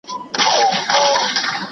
چي سر دي درد نه کوي، داغ مه پر ايږده.